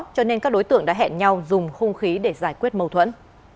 cho nên các đối tượng đã hẹn nhau dùng hung khí để giải quyết mâu thuẫn